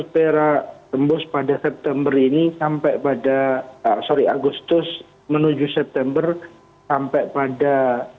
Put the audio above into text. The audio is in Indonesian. perak terhembus pada september ini sampai pada sore agustus menuju september sampai pada seribu